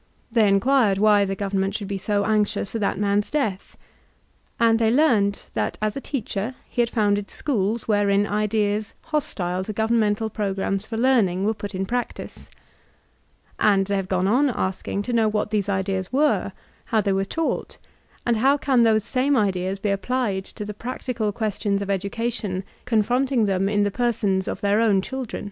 They inquired why the Government should be so anxious for that man's death. And they learned that as a«teacher he had founded schoob wherein ideas hostile to governmental programs for learning, were put in practice. And they have gone on asking to know what these ideas were, how they were taught, and how can those same ideas be applied to the practical questions of education confronting them in the persons of their own children.